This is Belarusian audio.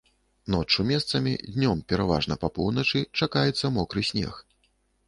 Ноччу месцамі, днём пераважна па поўначы чакаецца мокры снег.